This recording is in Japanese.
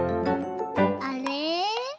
あれ？